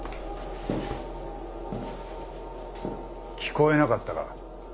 聞こえなかったか？